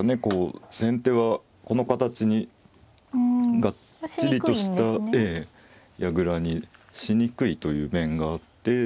こう先手はこの形にがっちりとした矢倉にしにくいという面があって。